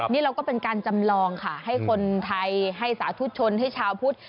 นี่เราก็เป็นการจำลองค่ะให้คนไทยให้สาธุชนให้ชาวพุทธ